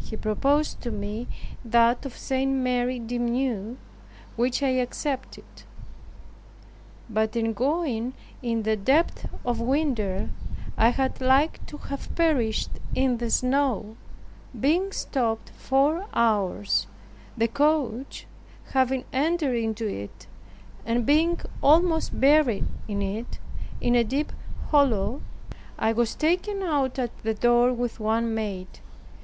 He proposed to me that of St. Mary de Meaux, which I accepted; but in going in the depth of winter I had like to have perished in the snow, being stopped four hours, the coach having entered into it, and being almost buried in it, in a deep hollow. I was taken out at the door with one maid.